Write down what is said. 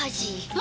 あ！